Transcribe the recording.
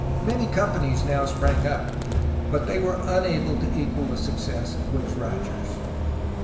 Many companies now sprang up, but they were unable to equal the success of Woodes Rogers.